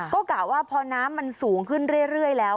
ก็กะว่าพอน้ำมันสูงขึ้นเรื่อยแล้ว